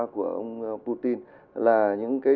của ông putin là những cái